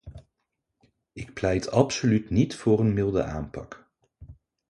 Ik pleit absoluut niet voor een milde aanpak.